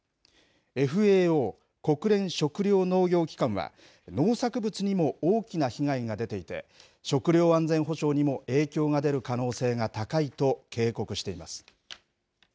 ＦＡＯ、国連食糧農業機関は農作物にも大きな被害が出ていて食料安全保障にも影響が出る可能性が高いと警告しています。